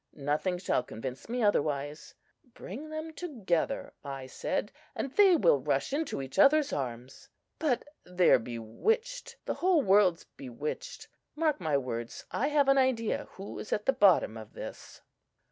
—nothing shall convince me otherwise! 'Bring them together,' I said, 'and they will rush into each other's arms.' But they're bewitched!—The whole world's bewitched! Mark my words,—I have an idea who is at the bottom of this."